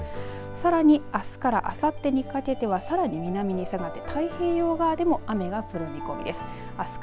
さらにあすからあさってにかけてはさらに南に下がって太平洋側でも雨が降る見込みです。